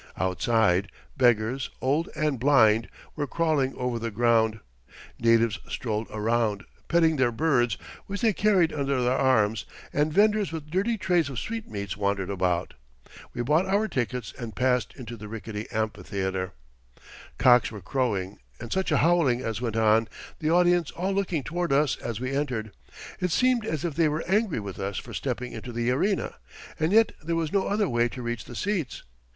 Outside, beggars, old and blind, were crawling over the ground; natives strolled around, petting their birds, which they carried under their arms; and vendors with dirty trays of sweetmeats wandered about. We bought our tickets and passed into the rickety amphitheater. Cocks were crowing, and such a howling as went on, the audience all looking toward us as we entered. It seemed as if they were angry with us for stepping into the arena, and yet there was no other way to reach the seats.